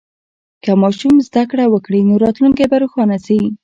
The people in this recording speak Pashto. که ماشوم زده کړه وکړي، نو راتلونکی به روښانه شي.